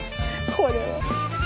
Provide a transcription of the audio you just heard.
これは。